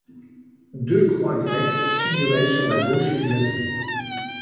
Deux croix grecques figuraient sur la gauche du blason.